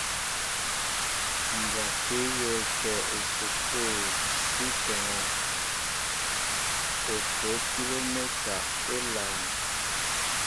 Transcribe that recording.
Mbwaté a yól kέ a esukul si ŋkέŋa okoʼo kilomɛta élāān.